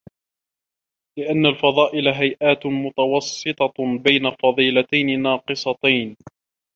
لِأَنَّ الْفَضَائِلَ هَيْئَاتٌ مُتَوَسِّطَةٌ بَيْنَ فَضِيلَتَيْنِ نَاقِصَتَيْنِ